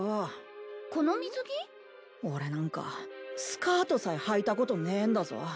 俺なんかスカートさえはいたことねえんだぞ。